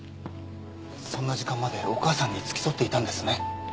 そんな時間までお母さんに付き添っていたんですね。